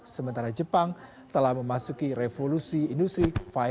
sementara jepang telah memasuki revolusi industri lima